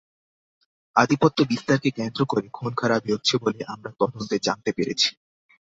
আধিপত্য বিস্তারকে কেন্দ্র করে খুনখারাবি হচ্ছে বলে আমরা তদন্তে জানতে পেরেছি।